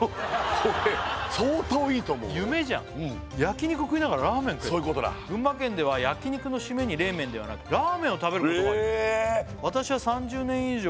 これ相当いいと思う俺夢じゃん焼き肉食いながらラーメン食えるそういうことだ「群馬県では焼き肉の締めに冷麺ではなく」「ラーメンを食べることがあり私は３０年以上」